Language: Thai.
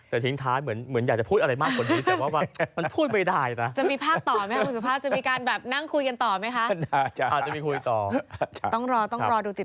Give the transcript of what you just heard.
แต่ทิ้งท้ายเหมือนอยากจะพูดอะไรมากกว่านี้